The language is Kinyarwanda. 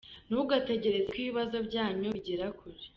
Ntugategereza ko ibibazo byanyu bigera kure.